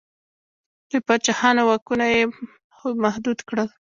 د پاچاهانو واکونه یې محدود کړل.